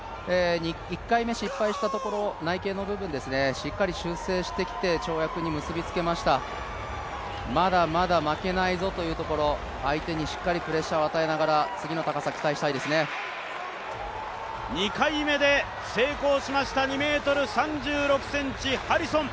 １回目失敗したところ、内傾の部分、しっかり修正して跳躍に結びつけました、まだまだ負けないぞというところ、相手にしっかりプレッシャーを与えながら２回目で成功しました２ｍ３６ｃｍハリソン。